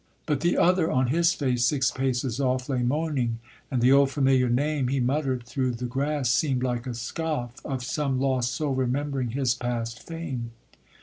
But the other, on his face, six paces off, Lay moaning, and the old familiar name He mutter'd through the grass, seem'd like a scoff Of some lost soul remembering his past fame.